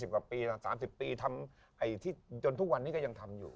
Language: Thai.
กว่าปี๓๐ปีทำที่จนทุกวันนี้ก็ยังทำอยู่